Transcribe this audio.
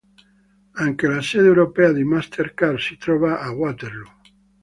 Anche la sede europea di MasterCard si trova a Waterloo.